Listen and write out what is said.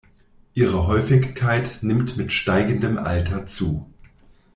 Ihre Häufigkeit nimmt mit steigendem Alter zu.